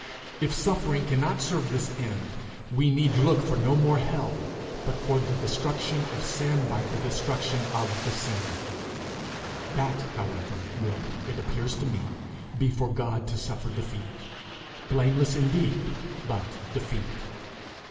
If suffering cannot serve this end, we need look for no more hell, but for the destruction of sin by the destruction of the sinner. That, however, would, it appears to me, be for God to suffer defeat, blameless indeed, but defeat.